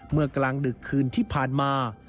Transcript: เมื่อกลางดึกคืนที่ผ่านมา